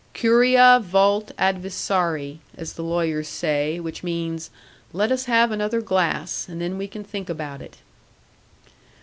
'Curia vult advisari,' as the lawyers say; which means, 'Let us have another glass, and then we can think about it.'